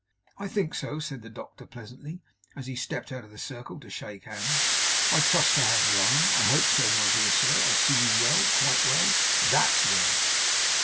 'I think so,' said the doctor pleasantly, as he stepped out of the circle to shake hands. 'I trust I have the honour. I hope so. My dear sir, I see you well. Quite well? THAT'S well!